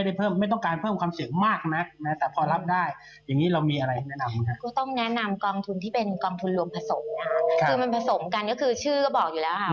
คือมันผสมกันก็คือชื่อก็บอกอยู่แล้วค่ะ